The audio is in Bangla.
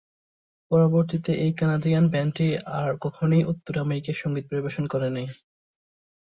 পরবর্তীতে এই কানাডিয়ান ব্যান্ডটি আর কখনোই উত্তর আমেরিকায় সঙ্গীত পরিবেশন করে নাই।